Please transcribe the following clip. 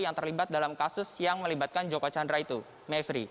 yang terlibat dalam kasus yang melibatkan joko chandra itu mevri